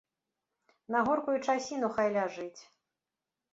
На горкую часіну хай ляжыць.